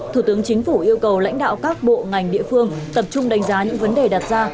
thủ tướng chính phủ yêu cầu lãnh đạo các bộ ngành địa phương tập trung đánh giá những vấn đề đặt ra